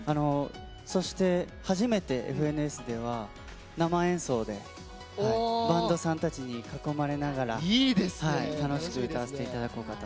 そして初めて「ＦＮＳ」では生演奏でバンドさんたちに囲まれながら楽しく歌わせていただこうかなと。